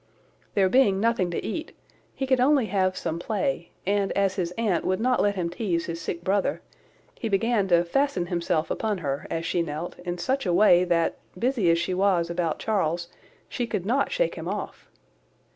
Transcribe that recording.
There being nothing to eat, he could only have some play; and as his aunt would not let him tease his sick brother, he began to fasten himself upon her, as she knelt, in such a way that, busy as she was about Charles, she could not shake him off.